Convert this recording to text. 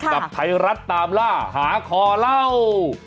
กับไทยรัฐตามล่าหาคอเล่า